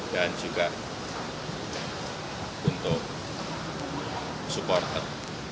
dan juga untuk supporter